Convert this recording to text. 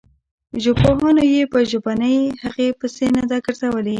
ژبپوهانو یې په ژبنۍ هغې پسې نه ده ګرځولې.